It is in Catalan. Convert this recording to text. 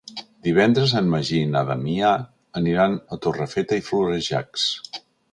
Divendres en Magí i na Damià aniran a Torrefeta i Florejacs.